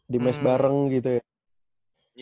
di mes bareng gitu ya